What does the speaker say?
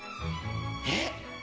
えっ。